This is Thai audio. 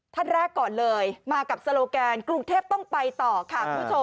ท่านแรกก่อนเลยมากับโซโลแกนกรุงเทพต้องไปต่อค่ะคุณผู้ชม